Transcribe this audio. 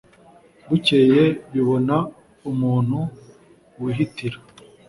bukeye bibona umuntu wihitira